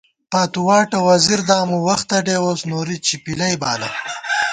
پاتُواٹہ وَزِر دامُوؤ ، وختہ ڈېووس ، نورِی چِپِلَئ بالہ